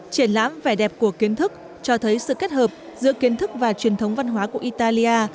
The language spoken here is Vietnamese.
triển lãm vẻ đẹp của kiến thức cho thấy sự kết hợp giữa kiến thức và truyền thống văn hóa của italia